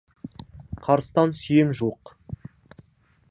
Қарыстан сүйем жуық.